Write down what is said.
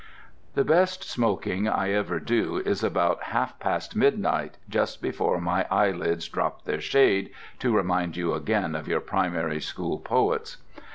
The best smoking I ever do is about half past midnight, just before "my eyelids drop their shade," to remind you again of your primary school poets.